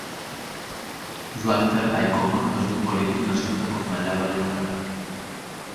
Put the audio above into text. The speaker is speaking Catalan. Joan Tardà i Coma és un polític nascut a Cornellà de Llobregat.